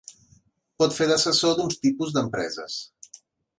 Pot fer d'assessor d'uns tipus d'empreses.